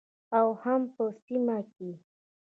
او هم په سیمه کې